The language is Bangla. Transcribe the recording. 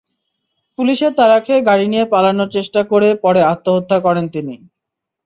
পুলিশের তাড়া খেয়ে গাড়ি নিয়ে পালানোর চেষ্টা করে পরে আত্মহত্যা করেন তিনি।